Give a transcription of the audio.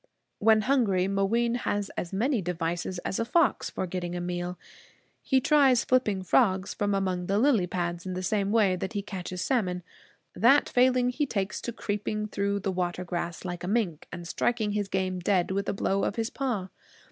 When hungry, Mooween has as many devices as a fox for getting a meal. He tries flipping frogs from among the lily pads in the same way that he catches salmon. That failing, he takes to creeping through the water grass, like a mink, and striking his game dead with a blow of his paw.